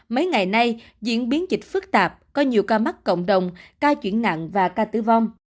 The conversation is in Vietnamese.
mấy ngày nay diễn biến dịch phức tạp có nhiều ca mắc cộng đồng ca chuyển nặng và ca tử vong